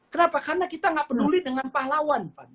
kenapa karena kita nggak peduli dengan pahlawan